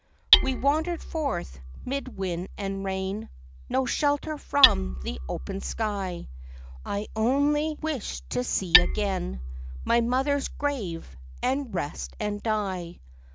We wandered forth ŌĆÖmid wind and rain ; No shelter from the open sky; I only wish to see again My motherŌĆÖs grave, and rest, and die.